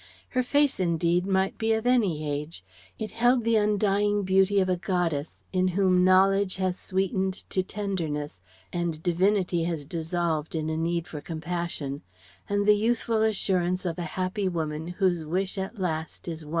Her face, indeed, might be of any age: it held the undying beauty of a goddess, in whom knowledge has sweetened to tenderness and divinity has dissolved in a need for compassion; and the youthful assurance of a happy woman whose wish at last is won....